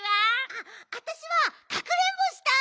あっあたしはかくれんぼしたい！